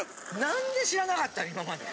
なんで知らなかった今まで。